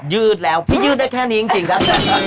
ยืดแล้วพี่ยืดได้แค่นี้จริงครับ